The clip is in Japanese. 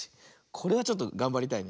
これはちょっとがんばりたい。